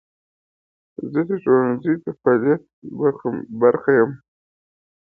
زه د ښوونځي د فعالیتونو برخه یم.